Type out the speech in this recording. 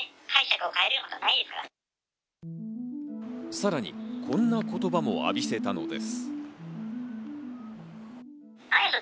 さらにこんな言葉も浴びせたのです。